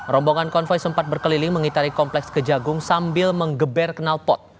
rombongan konvoi sempat berkeliling mengitari kompleks kejagung sambil mengeber kenal pot